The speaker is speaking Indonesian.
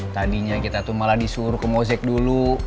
tadinya kita tuh malah disuruh ke mozet dulu